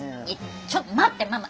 ちょっと待ってママ